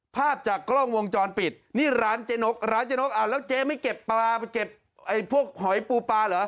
ภาพจากกล้องวงจรปิดนี่ร้านเจ๊นกร้านเจ๊นกอ่าแล้วเจ๊ไม่เก็บปลาไปเก็บไอ้พวกหอยปูปลาเหรอ